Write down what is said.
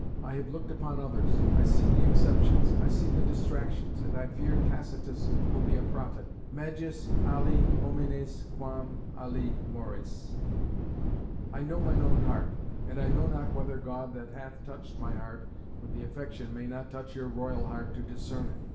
I have looked upon others, I see the exceptions, I see the distractions, and I fear Tacitus will be a prophet, magis alii homines quam alii mores. I know mine own heart, and I know not whether God that hath touched my heart with the affection may not touch your royal heart to discern it.